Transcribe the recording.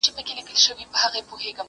و دښمن ته معلوم شوی زموږ زور وو!!